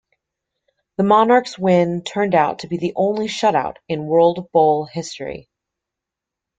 The Monarchs' win turned out to be the only shutout in World Bowl history.